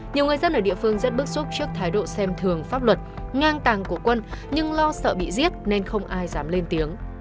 nhiều người dân ở địa phương rất bức xúc trước thái độ xem thường pháp luật ngang tàng của quân nhưng lo sợ bị giết nên không ai dám lên tiếng